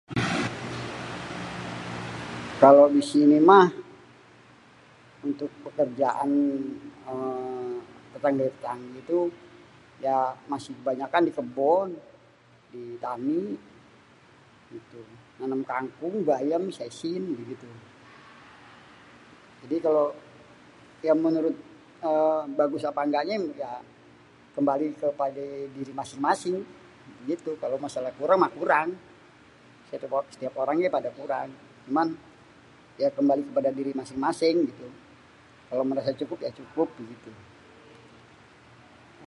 Kalo di sini mah untuk pékerjaan êê tetanggé-tetanggé tuh ya masih kebanyakan di kebon, di tani gitu, nanêm kangkung, bayêm, sesim gitu. Jadi kalo ya menurut aaa bagus éngga nyé kembali kepadé diri masing-masing gitu kalau masalah kurang mah kurang, setiap orang gé pada kurang cuman ya kembali kepada diri masing-masing gitu kalau méréka merasa cukup ya cukup jadi gitu.